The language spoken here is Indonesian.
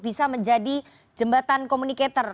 bisa menjadi jembatan komunikator